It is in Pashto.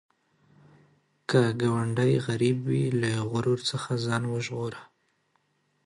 که ګاونډی غریب وي، له غرور څخه ځان وژغوره